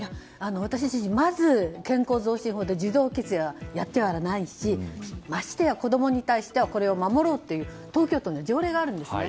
まず、健康増進法で受動喫煙はやってはいけないしましてや子供に対してはこれを守ろうという当局の条例があるんです。